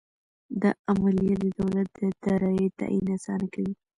دا عملیه د دولت د دارایۍ تعین اسانه کوي.